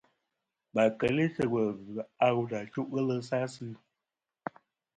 Ma keli sɨ wul vzɨ aleʼ a wu na boŋ chuʼ ghelɨ sa asɨ.